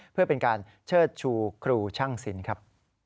เพื่อเป็นการเชิดชูครูช่างศิลป์ครับ